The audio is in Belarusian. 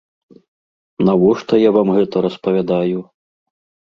Навошта я вам гэта распавядаю?